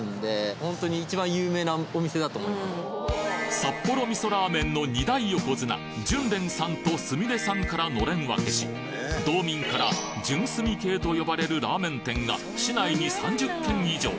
札幌味噌ラーメンの２大横綱純連さんとすみれさんからのれん分けし道民から「純すみ系」と呼ばれるラーメン店が市内に３０軒以上！